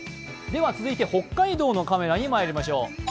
続いて北海道のカメラにまいりましょう。